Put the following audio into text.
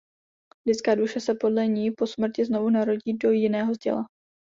Lidská duše se podle ní po smrti znovu narodí do jiného těla.